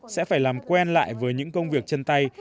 sẽ phải làm quen lại với những công việc chân tay